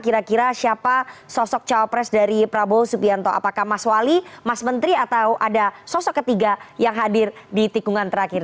kira kira siapa sosok cawapres dari prabowo subianto apakah mas wali mas menteri atau ada sosok ketiga yang hadir di tikungan terakhir